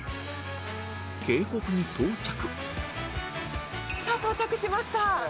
渓谷に到着さあ到着しました。